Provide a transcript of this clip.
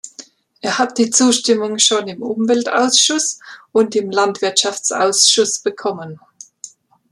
Er hat die Zustimmung schon im Umweltausschuss und im Landwirtschaftsausschuss bekommen.